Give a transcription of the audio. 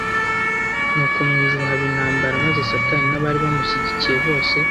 Nuko mu ijuru haba intambara, maze Satani n’abari bamushyigikiye bose,